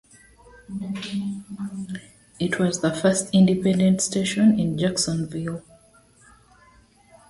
It was the first independent station in Jacksonville.